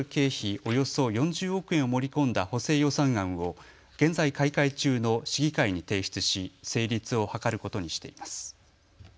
およそ４０億円を盛り込んだ補正予算案を現在、開会中の市議会に提出し成立を図ることにしています。